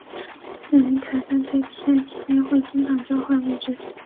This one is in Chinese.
两名裁判在比赛期间会经常交换位置。